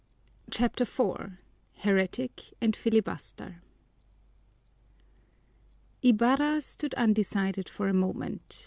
CHAPTER IV Heretic and Filibuster Ibarra stood undecided for a moment.